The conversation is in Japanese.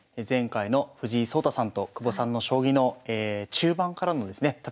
前回の藤井聡太さんと久保さんの将棋の中盤からのですね